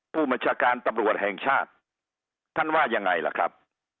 ผู้บัญชาการตำรวจแห่งชาติท่านว่ายังไงล่ะครับ